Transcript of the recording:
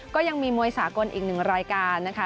ก็ยังมีมวยสากลอีกหนึ่งรายการนะคะ